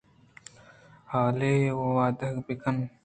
حالے ءَ ودار بہ کنیں